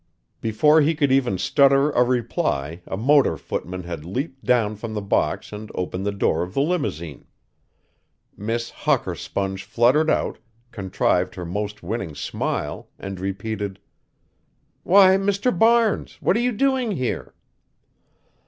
Before he could even stutter a reply a motor footman had leaped down from the box and opened the door of the limousine. Miss Hawker Sponge fluttered out, contrived her most winning smile and repeated: "Why, Mr. Barnes, what are you doing here?"